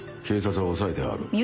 警察は押さえてある。